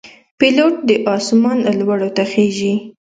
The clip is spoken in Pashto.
پیلوټ د آسمان لوړو ته خېژي.